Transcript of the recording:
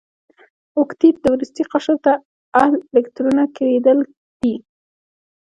اوکتیت د وروستي قشر اته ال الکترونه کیدل دي.